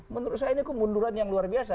menurut saya ini kemunduran yang luar biasa